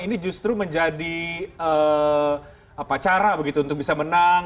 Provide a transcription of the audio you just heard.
ini justru menjadi cara begitu untuk bisa menang